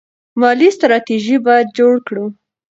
مالي ستراتیژي باید جوړه کړو.